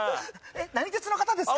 何鉄の方ですか？